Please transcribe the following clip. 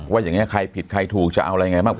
ว่าอย่างเนี่ยใครผิดใครถูกจะเอาอะไรไง